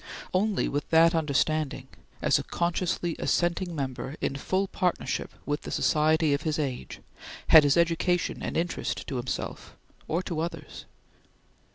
Only with that understanding as a consciously assenting member in full partnership with the society of his age had his education an interest to himself or to others.